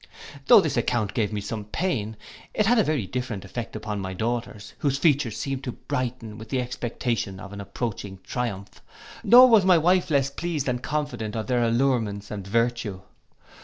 Though this account gave me some pain, it had a very different effect upon my daughters, whose features seemed to brighten with the expectation of an approaching triumph, nor was my wife less pleased and confident of their allurements and virtue.